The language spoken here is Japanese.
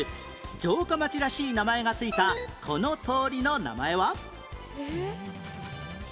城下町らしい名前が付いたこの通りの名前は？